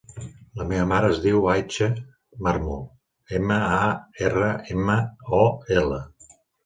La meva mare es diu Aicha Marmol: ema, a, erra, ema, o, ela.